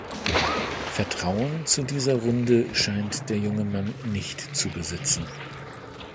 Vertrauen zu dieser Runde scheint der junge Mann nicht zu besitzen.